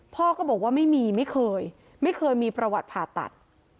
พ่อก็บอกว่าไม่มีไม่เคยไม่เคยมีประวัติผ่าตัด